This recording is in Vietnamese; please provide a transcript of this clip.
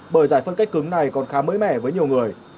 bởi giải phân cách cứng này còn khá mới mẻ với nhiều người